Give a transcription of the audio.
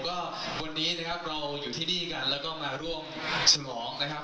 ก็วันนี้นะครับเราอยู่ที่นี่กันแล้วก็มาร่วมสนองนะครับ